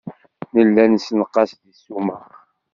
Nella nessenqas deg ssuma.